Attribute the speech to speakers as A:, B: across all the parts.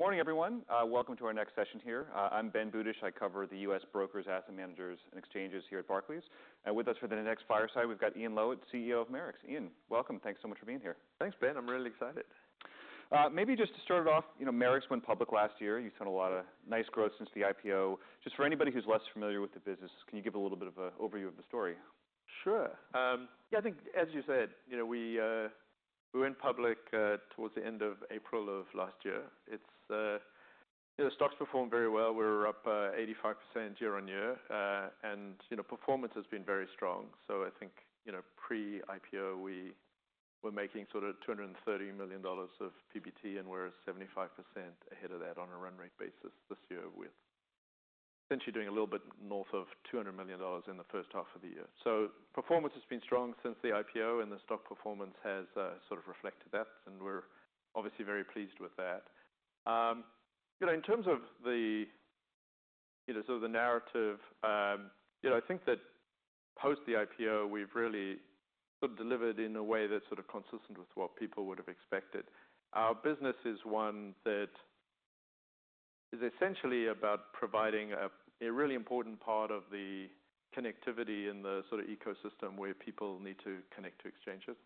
A: Good morning, everyone. Welcome to our next session here. I'm Ben Budish. I cover the U.S. brokers, asset managers, and exchanges here at Barclays. And with us for the next fireside, we've got Ian Lowitt, CEO of Marex. Ian, welcome. Thanks so much for being here.
B: Thanks, Ben. I'm really excited.
A: Maybe just to start it off, you know, Marex went public last year. You saw a lot of nice growth since the IPO. Just for anybody who's less familiar with the business, can you give a little bit of an overview of the story?
B: Sure. Yeah, I think, as you said, you know, we, we went public, towards the end of April of last year. It's, you know, stocks performed very well. We were up 85% year on year. And, you know, performance has been very strong. So I think, you know, pre-IPO, we were making sort of $230 million of PBT, and we're 75% ahead of that on a run rate basis this year with essentially doing a little bit north of $200 million in the first half of the year. So performance has been strong since the IPO, and the stock performance has sort of reflected that, and we're obviously very pleased with that. You know, in terms of the, you know, sort of the narrative, you know, I think that post the IPO, we've really sort of delivered in a way that's sort of consistent with what people would have expected. Our business is one that is essentially about providing a really important part of the connectivity in the sort of ecosystem where people need to connect to exchanges.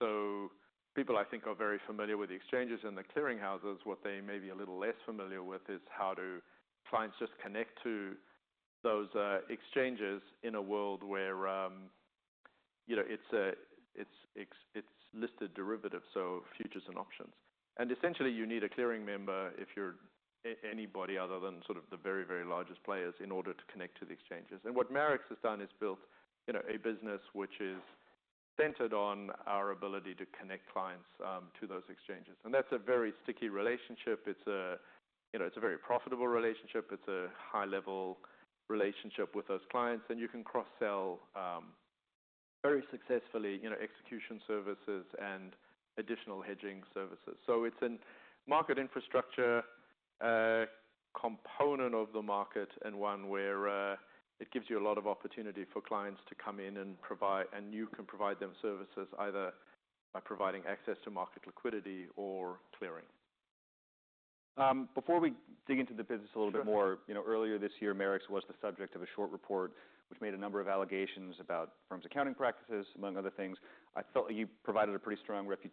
B: So people, I think, are very familiar with the exchanges and the clearing houses. What they may be a little less familiar with is how do clients just connect to those exchanges in a world where, you know, it's exchange, it's listed derivatives, so futures and options. And essentially, you need a clearing member if you're anybody other than sort of the very, very largest players in order to connect to the exchanges. And what Marex has done is built, you know, a business which is centered on our ability to connect clients to those exchanges. And that's a very sticky relationship. It's a, you know, it's a very profitable relationship. It's a high-level relationship with those clients, and you can cross-sell, very successfully, you know, execution services and additional hedging services, so it's a market infrastructure component of the market and one where it gives you a lot of opportunity for clients to come in and provide, and you can provide them services either by providing access to market liquidity or clearing.
A: Before we dig into the business a little bit more, you know, earlier this year, Marex was the subject of a short report which made a number of allegations about the firm's accounting practices, among other things. I felt like you provided a pretty strong rebuttal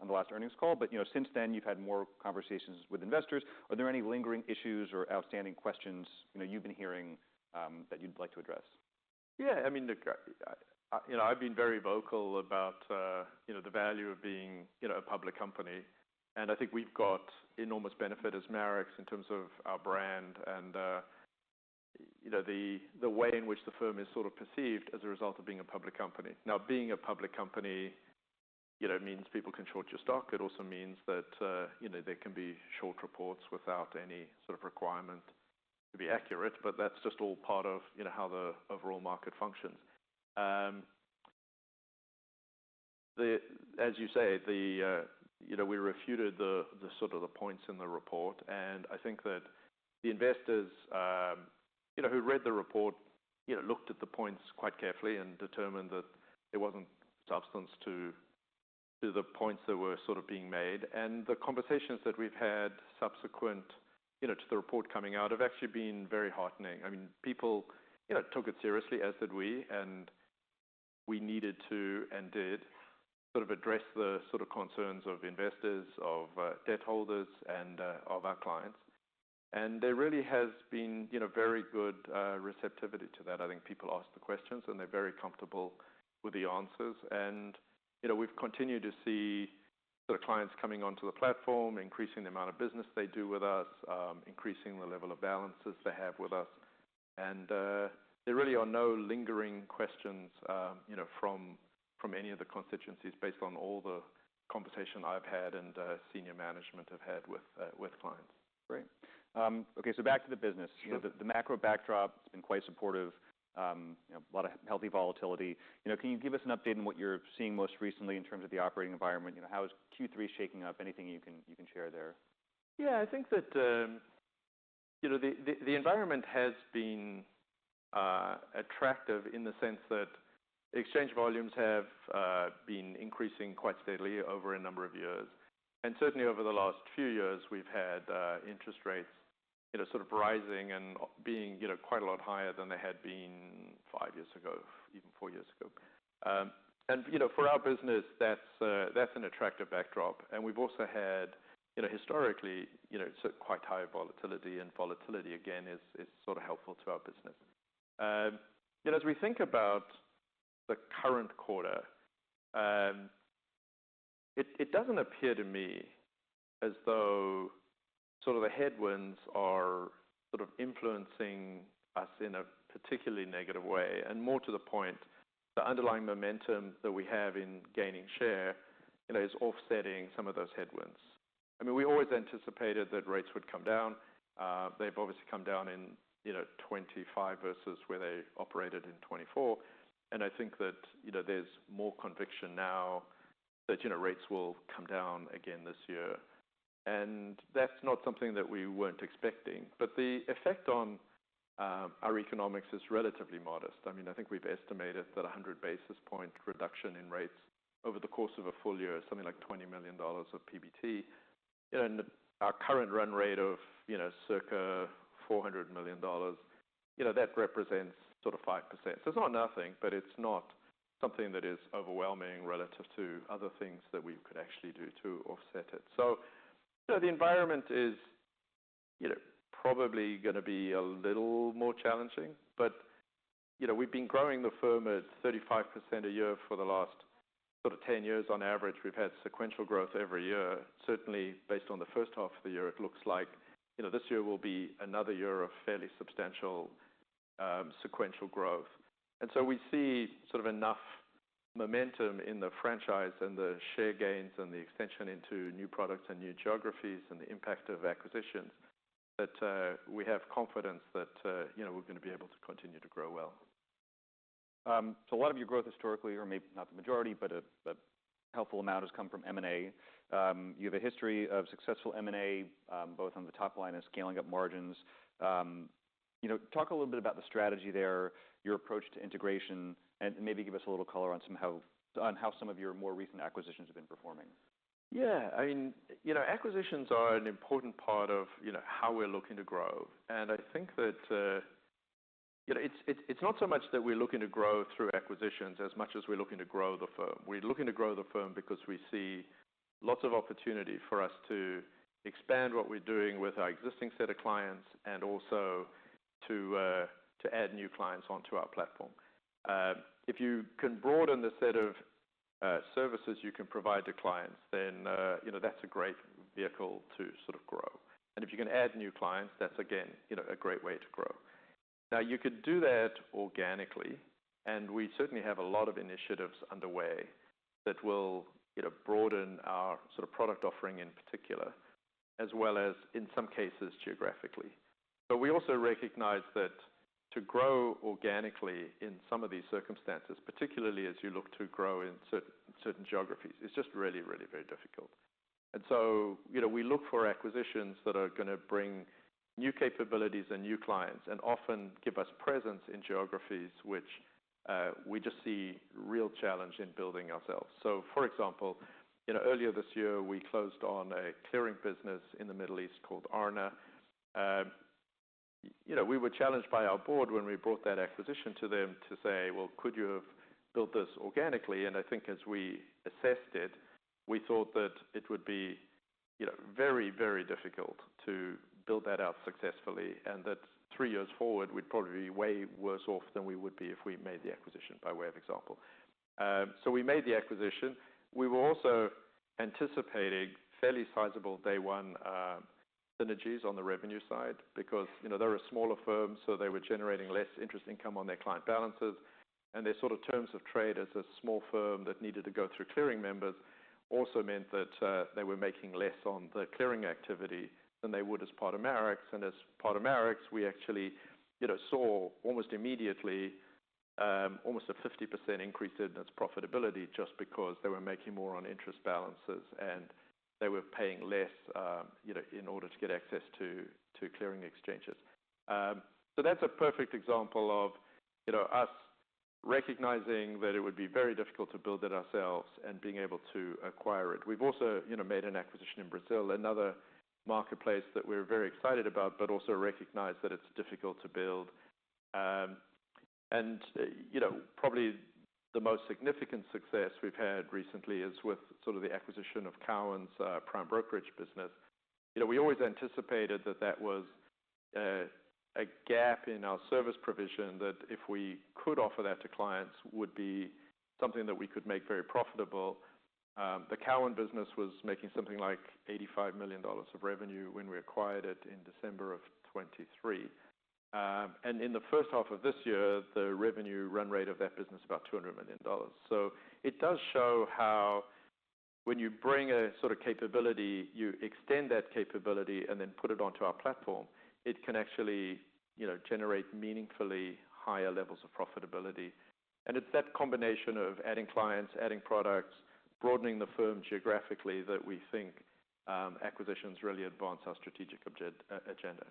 A: on the last earnings call, but, you know, since then, you've had more conversations with investors. Are there any lingering issues or outstanding questions, you know, you've been hearing, that you'd like to address?
B: Yeah. I mean, I, you know, I've been very vocal about, you know, the value of being, you know, a public company. And I think we've got enormous benefit as Marex in terms of our brand and, you know, the way in which the firm is sort of perceived as a result of being a public company. Now, being a public company, you know, means people can short your stock. It also means that, you know, there can be short reports without any sort of requirement to be accurate, but that's just all part of, you know, how the overall market functions. As you say, you know, we refuted the sort of points in the report, and I think that the investors, you know, who read the report, you know, looked at the points quite carefully and determined that there wasn't substance to the points that were sort of being made. The conversations that we've had subsequent to the report coming out have actually been very heartening. I mean, people, you know, took it seriously, as did we, and we needed to and did sort of address the sort of concerns of investors, debt holders, and our clients. There really has been, you know, very good receptivity to that. I think people ask the questions, and they're very comfortable with the answers. You know, we've continued to see sort of clients coming onto the platform, increasing the amount of business they do with us, increasing the level of balances they have with us. There really are no lingering questions, you know, from any of the constituencies based on all the conversation I've had and senior management have had with clients.
A: Great. Okay. So back to the business.
B: Yeah.
A: You know, the macro backdrop, it's been quite supportive, you know, a lot of healthy volatility. You know, can you give us an update on what you're seeing most recently in terms of the operating environment? You know, how is Q3 shaking up? Anything you can share there?
B: Yeah. I think that, you know, the environment has been attractive in the sense that exchange volumes have been increasing quite steadily over a number of years. And certainly, over the last few years, we've had interest rates, you know, sort of rising and being, you know, quite a lot higher than they had been five years ago, even four years ago, and, you know, for our business, that's an attractive backdrop. And we've also had, you know, historically, you know, it's a quite high volatility, and volatility, again, is sort of helpful to our business. You know, as we think about the current quarter, it doesn't appear to me as though sort of the headwinds are sort of influencing us in a particularly negative way. More to the point, the underlying momentum that we have in gaining share, you know, is offsetting some of those headwinds. I mean, we always anticipated that rates would come down. They've obviously come down in, you know, 2025 versus where they operated in 2024. And I think that, you know, there's more conviction now that, you know, rates will come down again this year. And that's not something that we weren't expecting. But the effect on, our economics is relatively modest. I mean, I think we've estimated that 100 basis point reduction in rates over the course of a full year is something like $20 million of PBT. You know, and our current run rate of, you know, circa $400 million, you know, that represents sort of 5%. So it's not nothing, but it's not something that is overwhelming relative to other things that we could actually do to offset it. So, you know, the environment is, you know, probably gonna be a little more challenging, but, you know, we've been growing the firm at 35% a year for the last sort of 10 years. On average, we've had sequential growth every year. Certainly, based on the first half of the year, it looks like, you know, this year will be another year of fairly substantial, sequential growth. And so we see sort of enough momentum in the franchise and the share gains and the extension into new products and new geographies and the impact of acquisitions that, we have confidence that, you know, we're gonna be able to continue to grow well.
A: So a lot of your growth historically, or maybe not the majority, but a helpful amount has come from M&A. You know, talk a little bit about the strategy there, your approach to integration, and maybe give us a little color on how some of your more recent acquisitions have been performing.
B: Yeah. I mean, you know, acquisitions are an important part of, you know, how we're looking to grow. And I think that, you know, it's not so much that we're looking to grow through acquisitions as much as we're looking to grow the firm. We're looking to grow the firm because we see lots of opportunity for us to expand what we're doing with our existing set of clients and also to add new clients onto our platform. If you can broaden the set of services you can provide to clients, then, you know, that's a great vehicle to sort of grow. And if you can add new clients, that's, again, you know, a great way to grow. Now, you could do that organically, and we certainly have a lot of initiatives underway that will, you know, broaden our sort of product offering in particular, as well as, in some cases, geographically. But we also recognize that to grow organically in some of these circumstances, particularly as you look to grow in certain geographies, it's just really, really very difficult. And so, you know, we look for acquisitions that are gonna bring new capabilities and new clients and often give us presence in geographies which, we just see real challenge in building ourselves. So, for example, you know, earlier this year, we closed on a clearing business in the Middle East called Aarna. You know, we were challenged by our board when we brought that acquisition to them to say, "Well, could you have built this organically?" And I think as we assessed it, we thought that it would be, you know, very, very difficult to build that out successfully and that three years forward, we'd probably be way worse off than we would be if we made the acquisition by way of example. So we made the acquisition. We were also anticipating fairly sizable day one synergies on the revenue side because, you know, they're a smaller firm, so they were generating less interest income on their client balances. And their sort of terms of trade as a small firm that needed to go through clearing members also meant that they were making less on the clearing activity than they would as part of Marex. And as part of Marex, we actually, you know, saw almost immediately, almost a 50% increase in its profitability just because they were making more on interest balances and they were paying less, you know, in order to get access to clearing exchanges. So that's a perfect example of, you know, us recognizing that it would be very difficult to build it ourselves and being able to acquire it. We've also, you know, made an acquisition in Brazil, another marketplace that we're very excited about, but also recognize that it's difficult to build. And, you know, probably the most significant success we've had recently is with sort of the acquisition of Cowen's Prime Brokerage business. You know, we always anticipated that that was a gap in our service provision that if we could offer that to clients, would be something that we could make very profitable. The Cowen business was making something like $85 million of revenue when we acquired it in December of 2023. And in the first half of this year, the revenue run rate of that business is about $200 million. So it does show how when you bring a sort of capability, you extend that capability and then put it onto our platform, it can actually, you know, generate meaningfully higher levels of profitability. And it's that combination of adding clients, adding products, broadening the firm geographically that we think, acquisitions really advance our strategic agenda.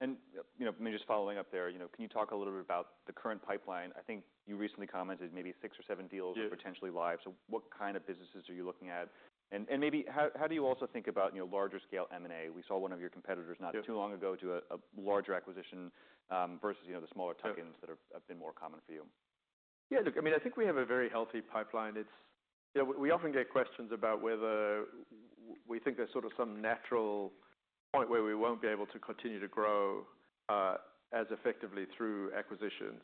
A: You know, maybe just following up there, you know, can you talk a little bit about the current pipeline? I think you recently commented maybe six or seven deals are potentially live.
B: Yeah.
A: So what kind of businesses are you looking at? And maybe how do you also think about, you know, larger scale M&A? We saw one of your competitors not too long ago do a larger acquisition, versus, you know, the smaller tokens that have been more common for you.
B: Yeah. Look, I mean, I think we have a very healthy pipeline. It's, you know, we often get questions about whether we think there's sort of some natural point where we won't be able to continue to grow, as effectively through acquisitions.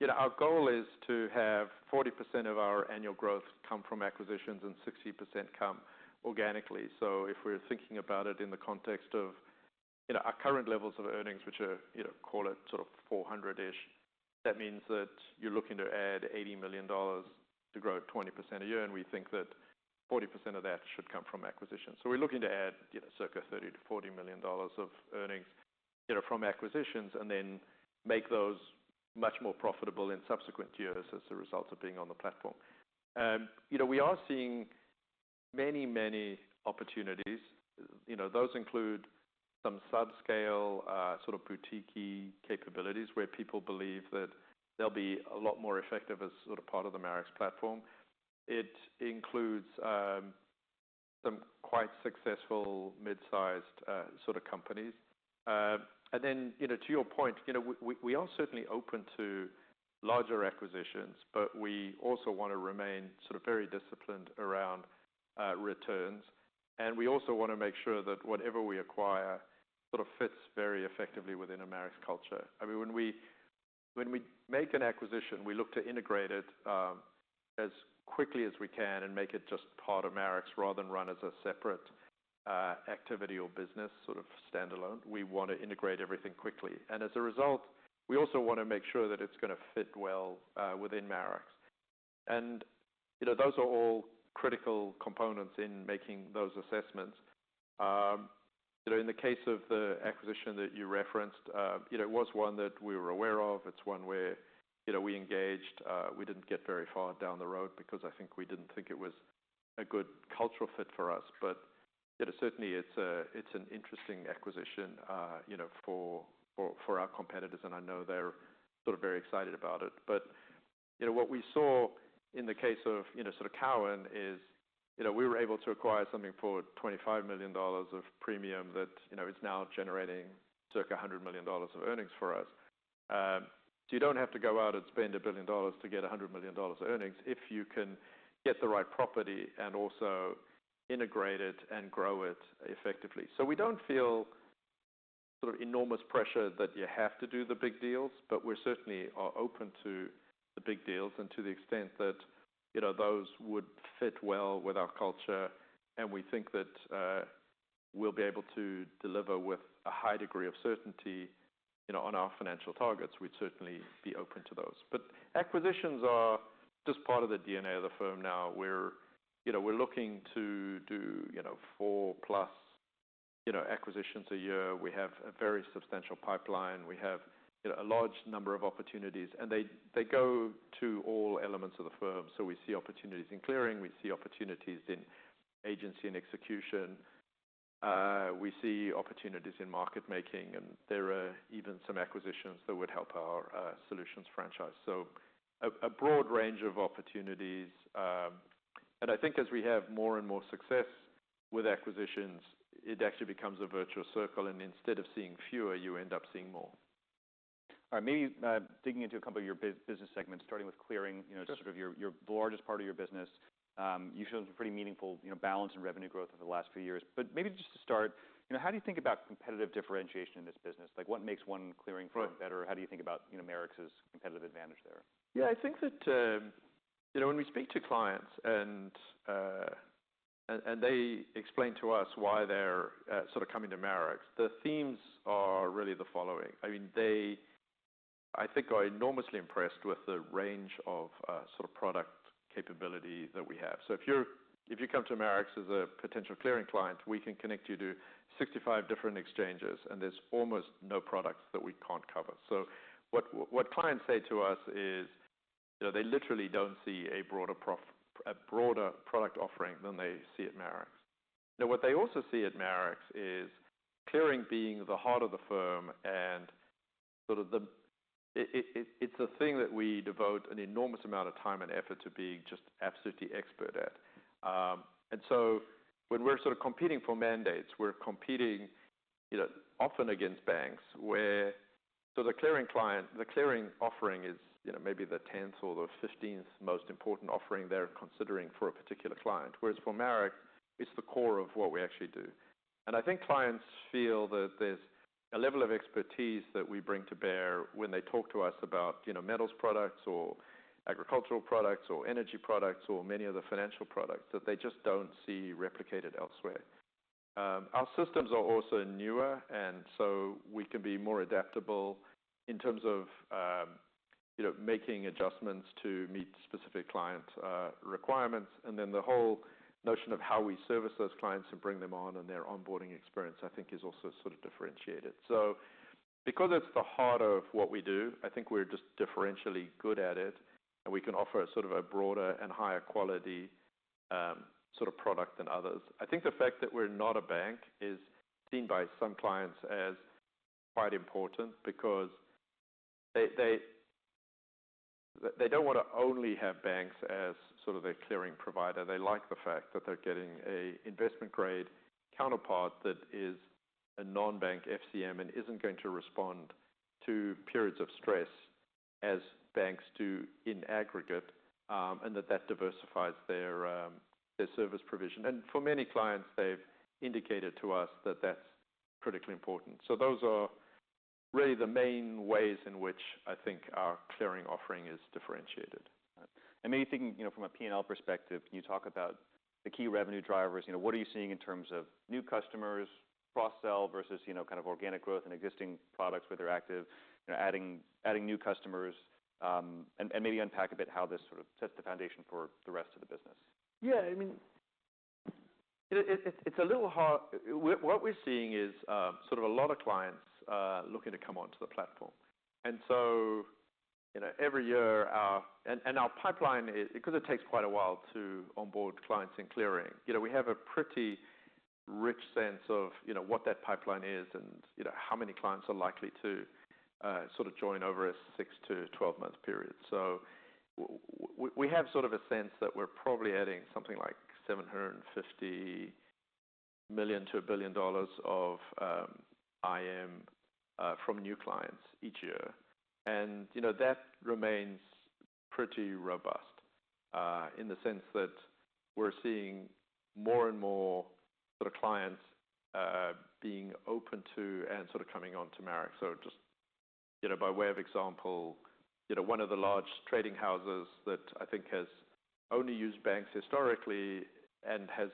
B: You know, our goal is to have 40% of our annual growth come from acquisitions and 60% come organically. So if we're thinking about it in the context of, you know, our current levels of earnings, which are, you know, call it sort of 400-ish, that means that you're looking to add $80 million to grow 20% a year, and we think that 40% of that should come from acquisitions. So we're looking to add, you know, circa $30-$40 million of earnings, you know, from acquisitions and then make those much more profitable in subsequent years as a result of being on the platform. You know, we are seeing many, many opportunities. You know, those include some subscale, sort of boutiquey capabilities where people believe that they'll be a lot more effective as sort of part of the Marex platform. It includes some quite successful mid-sized, sort of companies, and then, you know, to your point, you know, we are certainly open to larger acquisitions, but we also wanna remain sort of very disciplined around returns, and we also wanna make sure that whatever we acquire sort of fits very effectively within a Marex culture. I mean, when we make an acquisition, we look to integrate it as quickly as we can and make it just part of Marex rather than run as a separate activity or business sort of standalone. We wanna integrate everything quickly. As a result, we also wanna make sure that it's gonna fit well within Marex. You know, those are all critical components in making those assessments. You know, in the case of the acquisition that you referenced, you know, it was one that we were aware of. It's one where, you know, we engaged. We didn't get very far down the road because I think we didn't think it was a good cultural fit for us. You know, certainly, it's an interesting acquisition, you know, for our competitors, and I know they're sort of very excited about it. You know, what we saw in the case of, you know, sort of Cowen is, you know, we were able to acquire something for $25 million of premium that, you know, is now generating circa $100 million of earnings for us. So you don't have to go out and spend $1 billion to get $100 million of earnings if you can get the right property and also integrate it and grow it effectively. So we don't feel sort of enormous pressure that you have to do the big deals, but we certainly are open to the big deals and to the extent that, you know, those would fit well with our culture. And we think that, we'll be able to deliver with a high degree of certainty, you know, on our financial targets. We'd certainly be open to those. But acquisitions are just part of the DNA of the firm now. We're, you know, we're looking to do, you know, four plus, you know, acquisitions a year. We have a very substantial pipeline. We have, you know, a large number of opportunities, and they, they go to all elements of the firm. So we see opportunities in clearing. We see opportunities in agency and execution. We see opportunities in market making, and there are even some acquisitions that would help our solutions franchise. So a broad range of opportunities, and I think as we have more and more success with acquisitions, it actually becomes a virtuous circle. Instead of seeing fewer, you end up seeing more.
A: All right. Maybe, digging into a couple of your business segments, starting with clearing, you know, just sort of your, your largest part of your business, you've shown some pretty meaningful, you know, balances and revenue growth over the last few years. But maybe just to start, you know, how do you think about competitive differentiation in this business? Like, what makes one clearing firm better? How do you think about, you know, Marex's competitive advantage there?
B: Yeah. I think that, you know, when we speak to clients and they explain to us why they're, sort of coming to Marex, the themes are really the following. I mean, they, I think, are enormously impressed with the range of, sort of product capability that we have. So if you come to Marex as a potential clearing client, we can connect you to 65 different exchanges, and there's almost no product that we can't cover. So what clients say to us is, you know, they literally don't see a broader, a broader product offering than they see at Marex. Now, what they also see at Marex is clearing being the heart of the firm and sort of the, it's a thing that we devote an enormous amount of time and effort to being just absolutely expert at. And so when we're sort of competing for mandates, we're competing, you know, often against banks where so the clearing client, the clearing offering is, you know, maybe the 10th or the 15th most important offering they're considering for a particular client, whereas for Marex, it's the core of what we actually do. And I think clients feel that there's a level of expertise that we bring to bear when they talk to us about, you know, metals products or agricultural products or energy products or many of the financial products that they just don't see replicated elsewhere. Our systems are also newer, and so we can be more adaptable in terms of, you know, making adjustments to meet specific client requirements. And then the whole notion of how we service those clients and bring them on and their onboarding experience, I think, is also sort of differentiated. Because it's the heart of what we do, I think we're just differentially good at it, and we can offer sort of a broader and higher quality, sort of product than others. I think the fact that we're not a bank is seen by some clients as quite important because they don't wanna only have banks as sort of their clearing provider. They like the fact that they're getting an investment-grade counterpart that is a non-bank FCM and isn't going to respond to periods of stress as banks do in aggregate, and that diversifies their service provision. For many clients, they've indicated to us that that's critically important. Those are really the main ways in which I think our clearing offering is differentiated.
A: Maybe thinking, you know, from a P&L perspective, can you talk about the key revenue drivers? You know, what are you seeing in terms of new customers, cross-sell versus, you know, kind of organic growth and existing products where they're active, you know, adding new customers? And maybe unpack a bit how this sort of sets the foundation for the rest of the business.
B: Yeah. I mean, you know, it's a little hard. What we're seeing is sort of a lot of clients looking to come onto the platform. And so, you know, every year our pipeline is, because it takes quite a while to onboard clients in clearing, you know, we have a pretty rich sense of you know what that pipeline is and you know how many clients are likely to sort of join over a 6- to 12-month period, so we have sort of a sense that we're probably adding something like $750 million-$1 billion of IM from new clients each year. And you know that remains pretty robust in the sense that we're seeing more and more sort of clients being open to and sort of coming onto Marex. So, just, you know, by way of example, you know, one of the large trading houses that I think has only used banks historically and has,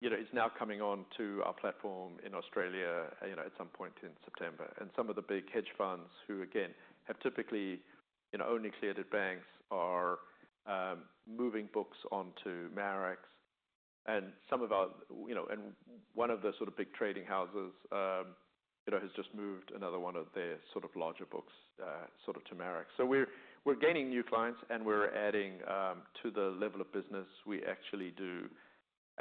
B: you know, is now coming onto our platform in Australia, you know, at some point in September. And some of the big hedge funds who, again, have typically, you know, only cleared at banks are moving books onto Marex. And some of our, you know, and one of the sort of big trading houses, you know, has just moved another one of their sort of larger books, sort of to Marex. So we're gaining new clients, and we're adding to the level of business we actually do. And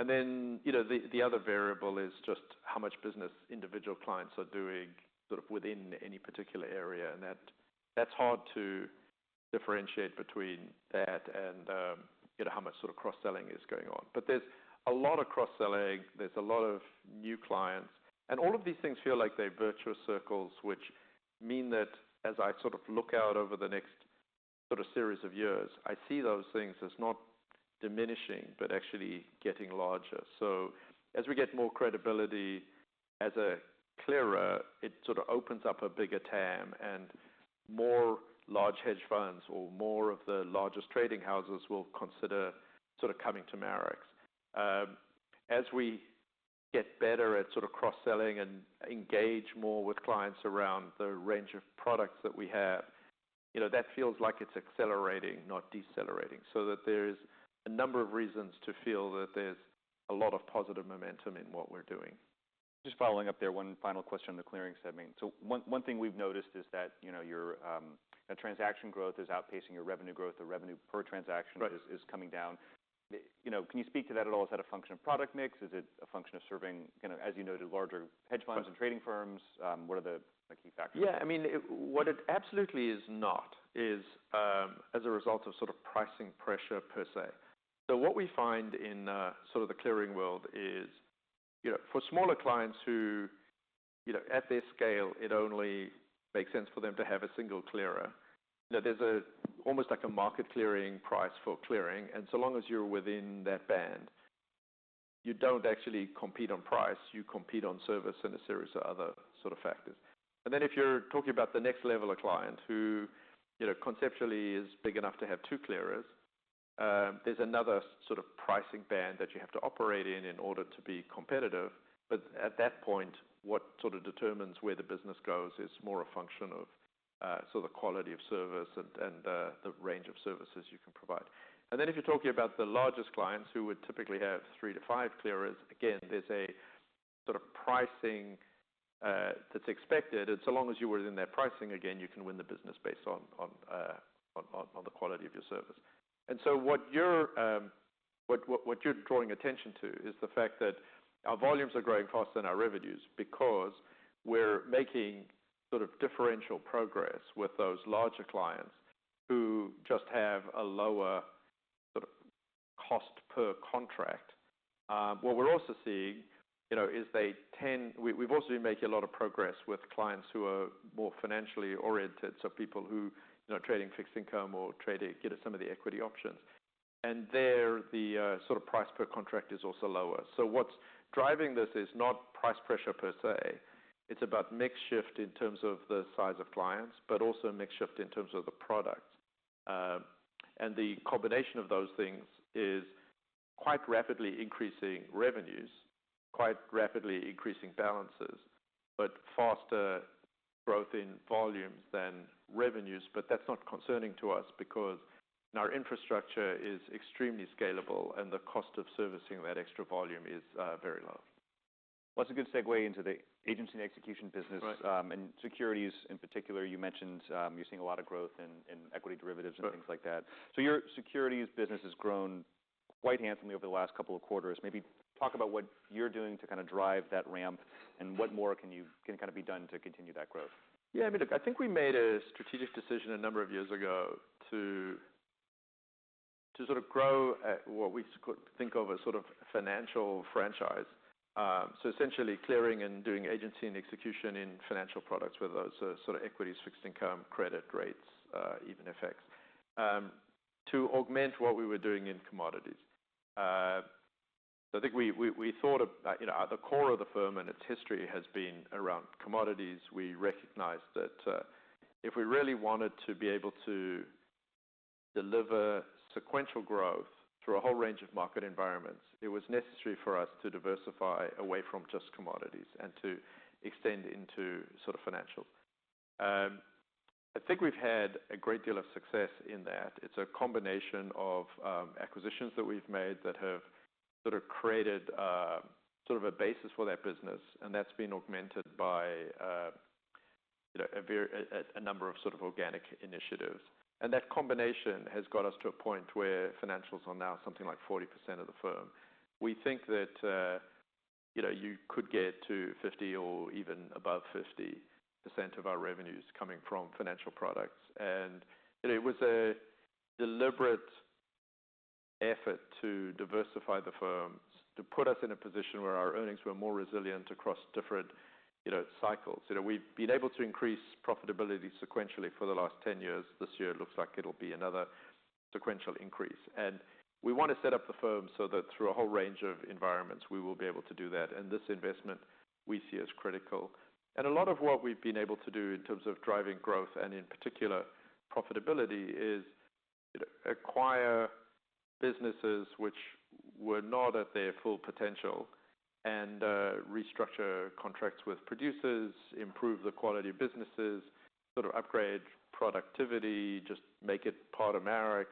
B: then, you know, the other variable is just how much business individual clients are doing sort of within any particular area. And that's hard to differentiate between that and, you know, how much sort of cross-selling is going on. But there's a lot of cross-selling. There's a lot of new clients. And all of these things feel like they're virtuous circle, which mean that as I sort of look out over the next sort of series of years, I see those things as not diminishing but actually getting larger. So as we get more credibility as a clearer, it sort of opens up a bigger TAM, and more large hedge funds or more of the largest trading houses will consider sort of coming to Marex. As we get better at sort of cross-selling and engage more with clients around the range of products that we have, you know, that feels like it's accelerating, not decelerating. So, there is a number of reasons to feel that there's a lot of positive momentum in what we're doing.
A: Just following up there, one final question on the clearing segment. So one thing we've noticed is that, you know, your transaction growth is outpacing your revenue growth. The revenue per transaction is coming down.
B: Right.
A: You know, can you speak to that at all? Is that a function of product mix? Is it a function of serving, you know, as you noted, larger hedge funds and trading firms? What are the key factors?
B: Yeah. I mean, what it absolutely is not is as a result of sort of pricing pressure per se. So what we find in sort of the clearing world is, you know, for smaller clients who, you know, at their scale, it only makes sense for them to have a single clearer. You know, there's almost like a market clearing price for clearing. And so long as you're within that band, you don't actually compete on price. You compete on service and a series of other sort of factors. And then if you're talking about the next level of client who, you know, conceptually is big enough to have two clearers, there's another sort of pricing band that you have to operate in in order to be competitive. But at that point, what sort of determines where the business goes is more a function of, sort of the quality of service and the range of services you can provide. And then if you're talking about the largest clients who would typically have three to five clearers, again, there's a sort of pricing that's expected. And so long as you were in their pricing, again, you can win the business based on the quality of your service. And so what you're drawing attention to is the fact that our volumes are growing faster than our revenues because we're making sort of differential progress with those larger clients who just have a lower sort of cost per contract. What we're also seeing, you know, is we've also been making a lot of progress with clients who are more financially oriented, so people who, you know, are trading fixed income or trading, you know, some of the equity options. And there, the sort of price per contract is also lower. So what's driving this is not price pressure per se. It's about mix shift in terms of the size of clients, but also mix shift in terms of the products. And the combination of those things is quite rapidly increasing revenues, quite rapidly increasing balances, but faster growth in volumes than revenues. But that's not concerning to us because our infrastructure is extremely scalable, and the cost of servicing that extra volume is very low.
A: That's a good segue into the agency and execution business.
B: Right.
A: And securities in particular, you mentioned you're seeing a lot of growth in equity derivatives and things like that?
B: Right.
A: Your securities business has grown quite handsomely over the last couple of quarters. Maybe talk about what you're doing to kind of drive that ramp and what more can kind of be done to continue that growth.
B: Yeah. I mean, look, I think we made a strategic decision a number of years ago to sort of grow at what we could think of as sort of a financial franchise. So essentially clearing and doing agency and execution in financial products with those, sort of equities, fixed income, credit rates, even FX, to augment what we were doing in commodities. So I think we thought about, you know, at the core of the firm and its history has been around commodities. We recognized that, if we really wanted to be able to deliver sequential growth through a whole range of market environments, it was necessary for us to diversify away from just commodities and to extend into sort of financial. I think we've had a great deal of success in that. It's a combination of acquisitions that we've made that have sort of created sort of a basis for that business, and that's been augmented by you know a very number of sort of organic initiatives. And that combination has got us to a point where financials are now something like 40% of the firm. We think that you know you could get to 50% or even above 50% of our revenues coming from financial products. And you know it was a deliberate effort to diversify the firm to put us in a position where our earnings were more resilient across different you know cycles. You know we've been able to increase profitability sequentially for the last 10 years. This year it looks like it'll be another sequential increase. We wanna set up the firm so that through a whole range of environments, we will be able to do that. This investment we see as critical. A lot of what we've been able to do in terms of driving growth and in particular profitability is, you know, acquire businesses which were not at their full potential and restructure contracts with producers, improve the quality of businesses, sort of upgrade productivity, just make it part of Marex.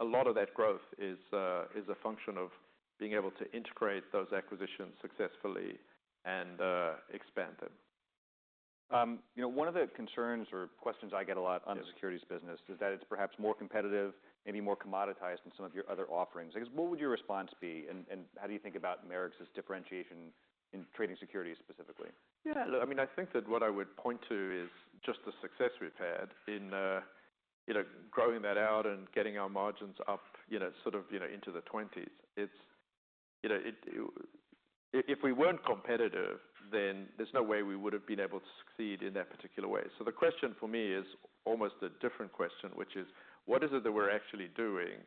B: A lot of that growth is a function of being able to integrate those acquisitions successfully and expand them.
A: You know, one of the concerns or questions I get a lot on the securities business is that it's perhaps more competitive, maybe more commoditized than some of your other offerings. I guess, what would your response be? And, and how do you think about Marex's differentiation in trading securities specifically?
B: Yeah. Look, I mean, I think that what I would point to is just the success we've had in, you know, growing that out and getting our margins up, you know, sort of, you know, into the 20s. It's, you know, it, if we weren't competitive, then there's no way we would've been able to succeed in that particular way. So the question for me is almost a different question, which is, what is it that we're actually doing,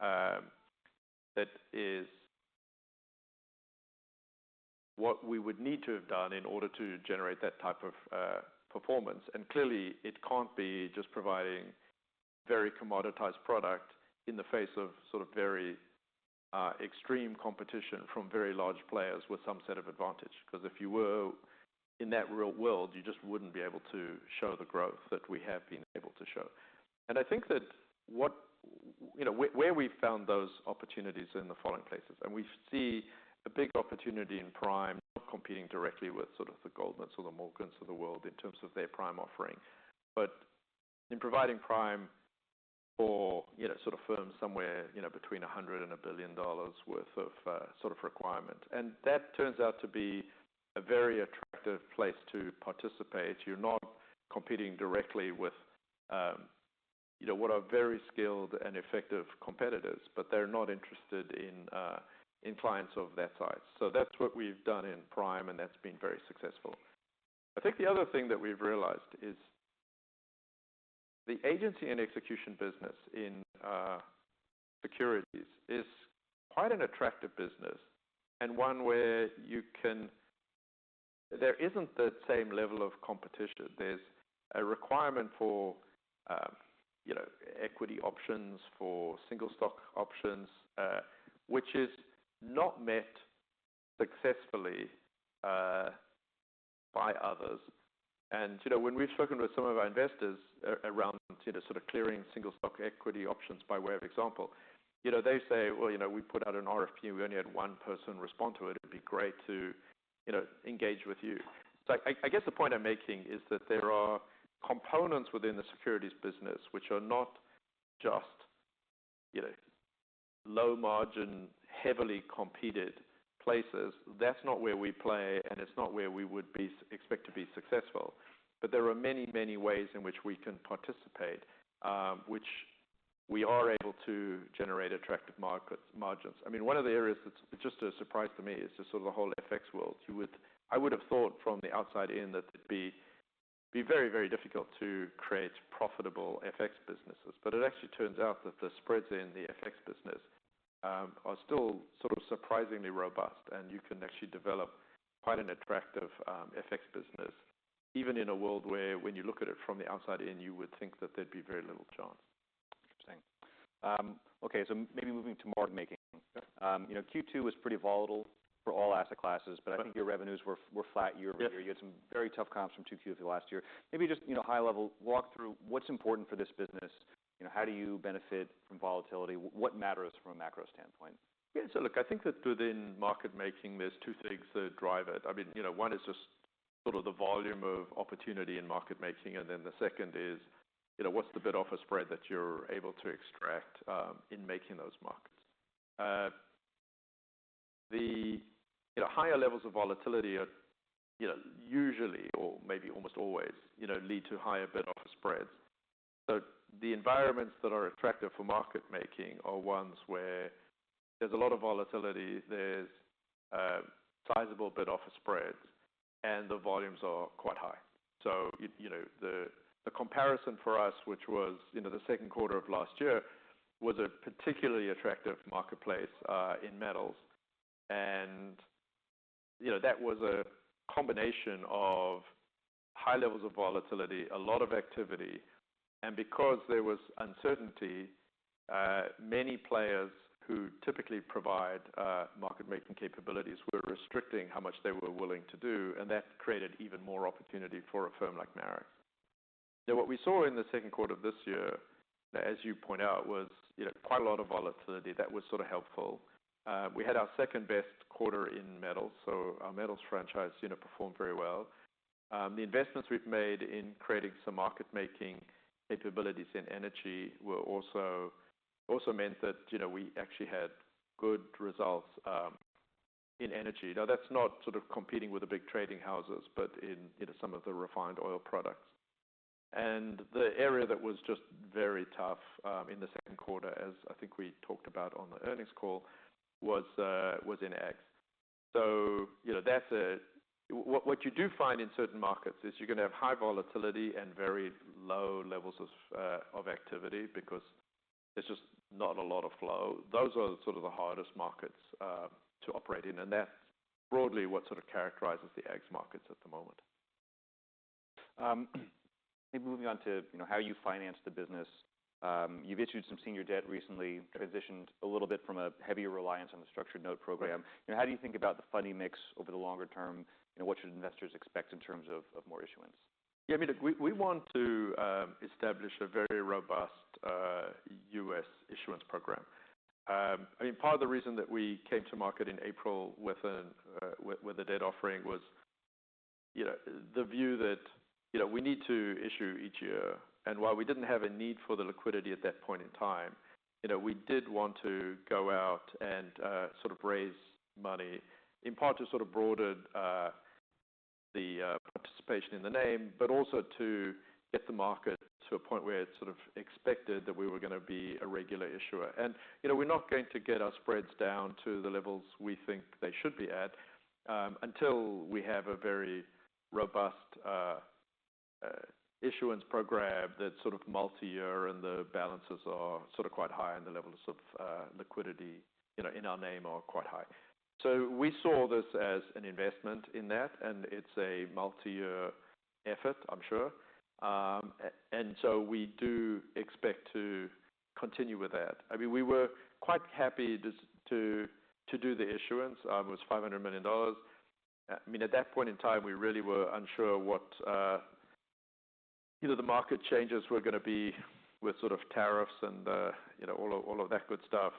B: that is what we would need to have done in order to generate that type of, performance? And clearly, it can't be just providing very commoditized product in the face of sort of very, extreme competition from very large players with some set of advantage. 'Cause if you were in that real world, you just wouldn't be able to show the growth that we have been able to show. And I think that, you know, where we've found those opportunities are in the following places. And we see a big opportunity in Prime not competing directly with sort of the Goldmans or the Morgans of the world in terms of their Prime offering, but in providing Prime for, you know, sort of firms somewhere, you know, between 100 and a billion dollars worth of, sort of requirement. And that turns out to be a very attractive place to participate. You're not competing directly with, you know, what are very skilled and effective competitors, but they're not interested in clients of that size. So that's what we've done in Prime, and that's been very successful. I think the other thing that we've realized is the agency and execution business in securities is quite an attractive business and one where you can there isn't the same level of competition. There's a requirement for you know equity options for single stock options which is not met successfully by others. And you know when we've spoken with some of our investors around you know sort of clearing single stock equity options by way of example you know they say "Well you know we put out an RFP. We only had one person respond to it. It'd be great to you know engage with you." So I guess the point I'm making is that there are components within the securities business which are not just you know low margin heavily competed places. That's not where we play and it's not where we would be expected to be successful. But there are many, many ways in which we can participate, which we are able to generate attractive market margins. I mean, one of the areas that's just a surprise to me is just sort of the whole FX world. You would, I would've thought from the outside in that it'd be very, very difficult to create profitable FX businesses. But it actually turns out that the spreads in the FX business are still sort of surprisingly robust, and you can actually develop quite an attractive FX business even in a world where when you look at it from the outside in, you would think that there'd be very little chance.
A: Interesting. Okay. So maybe moving to market making.
B: Yeah.
A: You know, Q2 was pretty volatile for all asset classes, but I think your revenues were flat year over year.
B: Right.
A: You had some very tough comps from Q2 of the last year. Maybe just, you know, high level, walk through what's important for this business. You know, how do you benefit from volatility? What matters from a macro standpoint?
B: Yeah. So look, I think that within market making, there's two things that drive it. I mean, you know, one is just sort of the volume of opportunity in market making, and then the second is, you know, what's the bid-offer spread that you're able to extract in making those markets. You know, higher levels of volatility are, you know, usually, or maybe almost always, you know, lead to higher bid-offer spreads. So the environments that are attractive for market making are ones where there's a lot of volatility. There's sizable bid-offer spreads, and the volumes are quite high. So you know, the comparison for us, which was, you know, the second quarter of last year, was a particularly attractive marketplace in metals. And you know, that was a combination of high levels of volatility, a lot of activity. Because there was uncertainty, many players who typically provide market making capabilities were restricting how much they were willing to do, and that created even more opportunity for a firm like Marex. Now, what we saw in the second quarter of this year, as you point out, was, you know, quite a lot of volatility. That was sort of helpful. We had our second best quarter in metals. Our metals franchise, you know, performed very well. The investments we've made in creating some market making capabilities in energy were also meant that, you know, we actually had good results in energy. Now, that's not sort of competing with the big trading houses, but in, you know, some of the refined oil products. The area that was just very tough in the second quarter, as I think we talked about on the earnings call, was in ags. So, you know, that's a what you do find in certain markets is you're gonna have high volatility and very low levels of activity because there's just not a lot of flow. Those are sort of the hardest markets to operate in. That's broadly what sort of characterizes the ags markets at the moment.
A: Maybe moving on to, you know, how you finance the business. You've issued some senior debt recently, transitioned a little bit from a heavier reliance on the structured note program. You know, how do you think about the funding mix over the longer term? You know, what should investors expect in terms of, of more issuance?
B: Yeah. I mean, look, we want to establish a very robust U.S. issuance program. I mean, part of the reason that we came to market in April with a debt offering was, you know, the view that, you know, we need to issue each year. And while we didn't have a need for the liquidity at that point in time, you know, we did want to go out and sort of raise money in part to sort of broaden the participation in the name, but also to get the market to a point where it's sort of expected that we were gonna be a regular issuer. You know, we're not going to get our spreads down to the levels we think they should be at until we have a very robust issuance program that's sort of multi-year and the balances are sort of quite high and the levels of liquidity you know in our name are quite high. So we saw this as an investment in that, and it's a multi-year effort, I'm sure and so we do expect to continue with that. I mean, we were quite happy to do the issuance. It was $500 million. I mean, at that point in time, we really were unsure what you know the market changes were gonna be with sort of tariffs and you know all of that good stuff.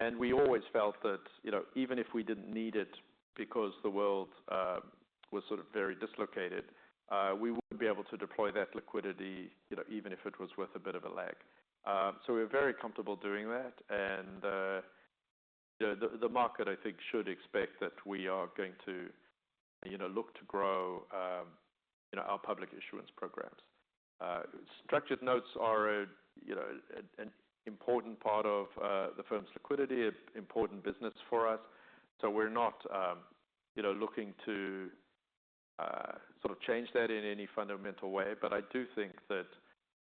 B: And we always felt that, you know, even if we didn't need it because the world was sort of very dislocated, we wouldn't be able to deploy that liquidity, you know, even if it was worth a bit of a lag. So we were very comfortable doing that. And, you know, the market, I think, should expect that we are going to, you know, look to grow, you know, our public issuance programs. Structured notes are a, you know, an important part of the firm's liquidity, an important business for us. So we're not, you know, looking to sort of change that in any fundamental way. But I do think that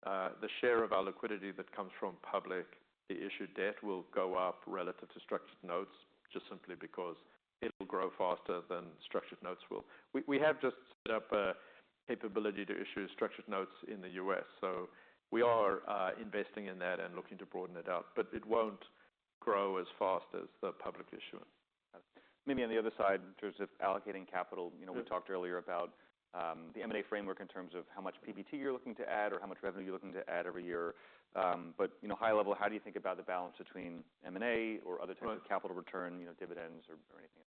B: the share of our liquidity that comes from public, the issued debt, will go up relative to structured notes just simply because it'll grow faster than structured notes will. We have just set up a capability to issue structured notes in the US, so we are investing in that and looking to broaden it out, but it won't grow as fast as the public issuance.
A: Maybe on the other side, in terms of allocating capital, you know, we talked earlier about the M&A framework in terms of how much PBT you're looking to add or how much revenue you're looking to add every year. But, you know, high level, how do you think about the balance between M&A or other types of capital return, you know, dividends or, or anything?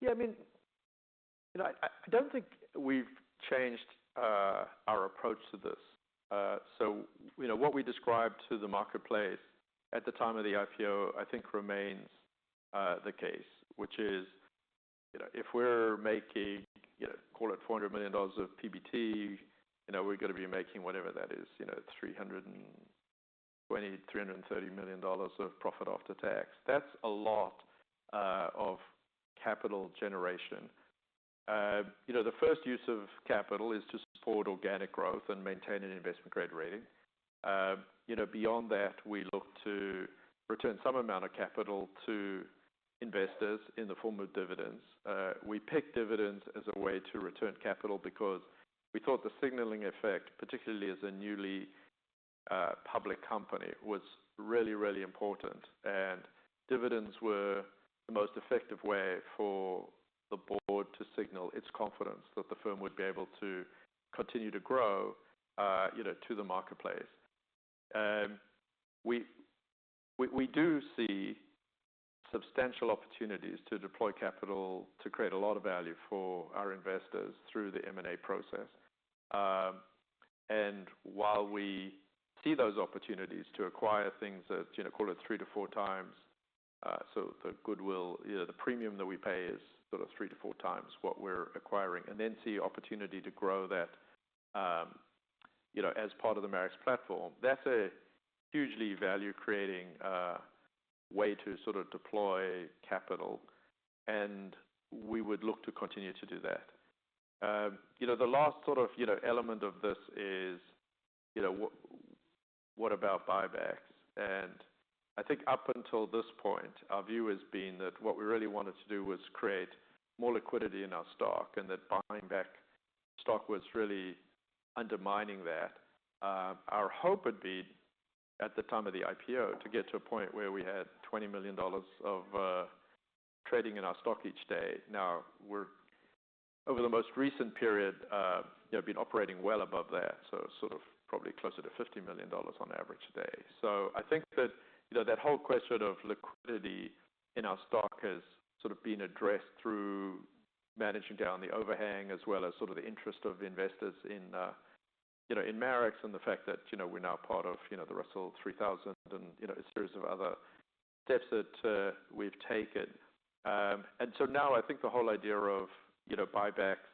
B: Yeah. I mean, you know, I don't think we've changed our approach to this, so you know, what we described to the marketplace at the time of the IPO, I think remains the case, which is, you know, if we're making, you know, call it $400 million of PBT, you know, we're gonna be making whatever that is, you know, $320-$330 million of profit after tax. That's a lot of capital generation. You know, the first use of capital is to support organic growth and maintain an investment-grade rating. You know, beyond that, we look to return some amount of capital to investors in the form of dividends. We pick dividends as a way to return capital because we thought the signaling effect, particularly as a newly public company, was really, really important. And dividends were the most effective way for the board to signal its confidence that the firm would be able to continue to grow, you know, to the marketplace. We do see substantial opportunities to deploy capital to create a lot of value for our investors through the M&A process. And while we see those opportunities to acquire things at, you know, call it three to four times, so the goodwill, you know, the premium that we pay is sort of three to four times what we're acquiring, and then see opportunity to grow that, you know, as part of the Marex platform, that's a hugely value-creating way to sort of deploy capital. And we would look to continue to do that. You know, the last sort of, you know, element of this is, you know, what about buybacks? I think up until this point, our view has been that what we really wanted to do was create more liquidity in our stock and that buying back stock was really undermining that. Our hope had been at the time of the IPO to get to a point where we had $20 million of trading in our stock each day. Now, we're over the most recent period, you know, been operating well above that, so sort of probably closer to $50 million on average a day. So I think that, you know, that whole question of liquidity in our stock has sort of been addressed through managing down the overhang as well as sort of the interest of investors in, you know, in Marex and the fact that, you know, we're now part of, you know, the Russell 3000 and, you know, a series of other steps that we've taken. And so now I think the whole idea of, you know, buybacks,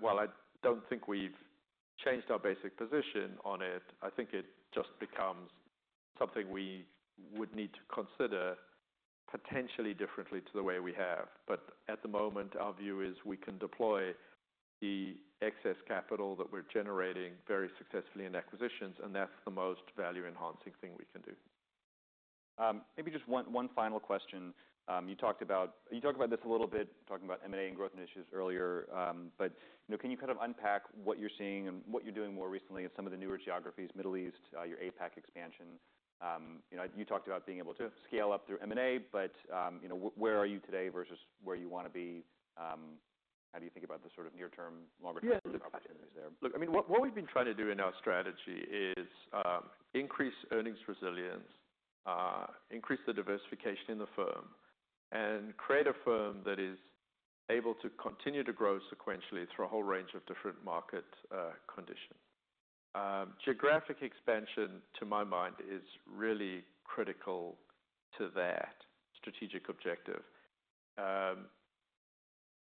B: while I don't think we've changed our basic position on it, I think it just becomes something we would need to consider potentially differently to the way we have. But at the moment, our view is we can deploy the excess capital that we're generating very successfully in acquisitions, and that's the most value-enhancing thing we can do.
A: Maybe just one final question. You talked about this a little bit, talking about M&A and growth initiatives earlier. But, you know, can you kind of unpack what you're seeing and what you're doing more recently in some of the newer geographies, Middle East, your APAC expansion? You know, you talked about being able to scale up through M&A, but, you know, where are you today versus where you wanna be? How do you think about the sort of near-term, longer-term opportunities there?
B: Yeah. Look, I mean, what we've been trying to do in our strategy is increase earnings resilience, increase the diversification in the firm, and create a firm that is able to continue to grow sequentially through a whole range of different market conditions. Geographic expansion, to my mind, is really critical to that strategic objective,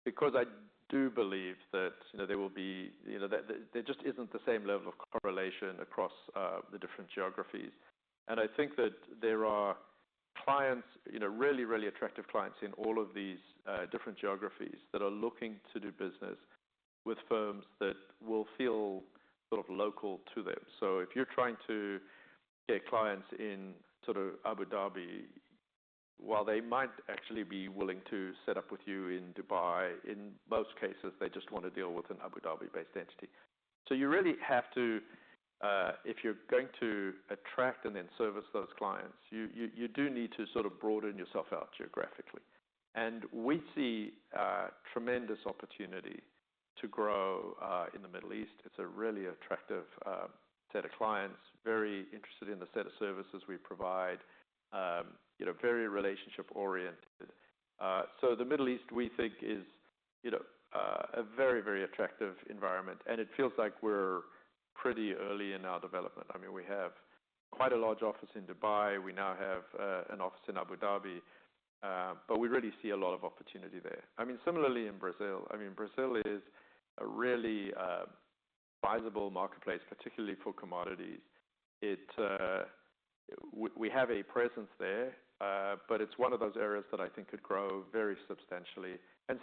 B: because I do believe that, you know, there will be, you know, that there just isn't the same level of correlation across the different geographies. And I think that there are clients, you know, really, really attractive clients in all of these different geographies that are looking to do business with firms that will feel sort of local to them. So if you're trying to get clients in sort of Abu Dhabi, while they might actually be willing to set up with you in Dubai, in most cases, they just wanna deal with an Abu Dhabi-based entity. So you really have to, if you're going to attract and then service those clients, you do need to sort of broaden yourself out geographically. And we see tremendous opportunity to grow in the Middle East. It's a really attractive set of clients, very interested in the set of services we provide, you know, very relationship-oriented. So the Middle East, we think, is, you know, a very, very attractive environment, and it feels like we're pretty early in our development. I mean, we have quite a large office in Dubai. We now have an office in Abu Dhabi. But we really see a lot of opportunity there. I mean, similarly in Brazil. I mean, Brazil is a really sizable marketplace, particularly for commodities. We have a presence there, but it's one of those areas that I think could grow very substantially.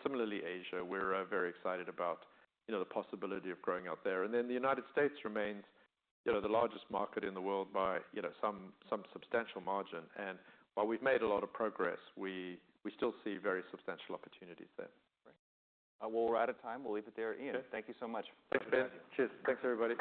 B: Similarly, Asia, we're very excited about, you know, the possibility of growing out there. Then the United States remains, you know, the largest market in the world by, you know, some substantial margin. While we've made a lot of progress, we still see very substantial opportunities there.
A: Great. Well, we're out of time. We'll leave it there. Ian, thank you so much.
B: Thanks, Ben. Cheers. Thanks, everybody.